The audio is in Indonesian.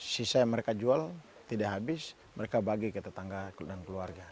sisa yang mereka jual tidak habis mereka bagi ke tetangga dan keluarga